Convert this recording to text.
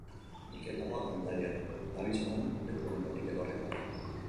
Mikel Laboa kantariaren abizena leku honetatik etorria da.